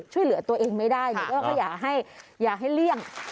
ช่วยเหลือตัวเองไม่ได้อย่าให้เลี่ยง